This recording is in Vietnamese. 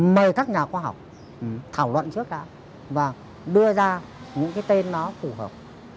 mời các nhà khoa học thảo luận trước đã và đưa ra những tên phù hợp